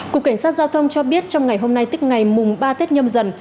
cục cảnh sát giao thông cho biết trong ngày hôm nay tức ngày mùng ba tết nhâm dần